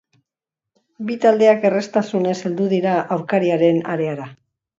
Bi taldeak erraztasunez heldu dira aurkariaren areara.